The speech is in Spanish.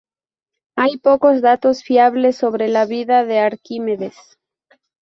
Hay pocos datos fiables sobre la vida de Arquímedes.